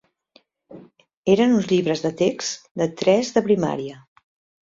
Eren uns llibres de text de tres de primaria.